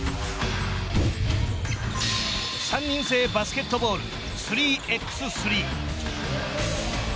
３人制バスケットボール３ｘ３。